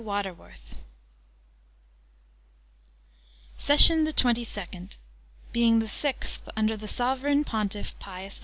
[Page 152] SESSION THE TWENTY SECOND, Being the sixth under the Sovereign Pontiff, Pius IV.